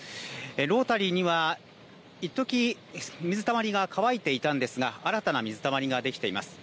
ロータリーには一時、水たまりが乾いていたんですが新たな水たまりができています。